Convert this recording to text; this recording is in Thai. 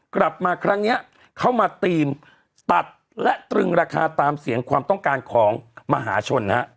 กลับมาครั้งนี้เข้ามาธีมตัดและตรึงราคาตามเสียงความต้องการของมหาชนนะฮะ